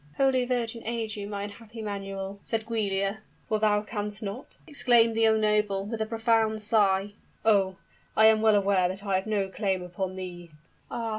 "Holy Virgin aid you, my unhappy Manuel!" said Giulia. "For thou canst not?" exclaimed the young noble, with a profound sigh. "Oh! I am well aware that I have no claim upon thee " "Ah!